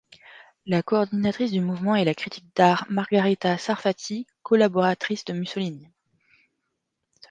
La coordinatrice du mouvement est la critique d'art Margherita Sarfatti, collaboratrice de Mussolini.